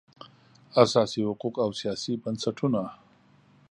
اساسي حقوق او سیاسي بنسټونه